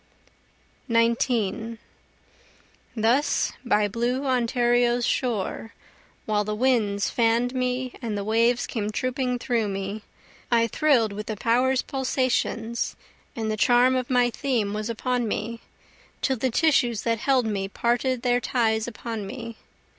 19 Thus by blue Ontario's shore, While the winds fann'd me and the waves came trooping toward me, I thrill'd with the power's pulsations, and the charm of my theme was upon me, Till the tissues that held me parted their ties upon me.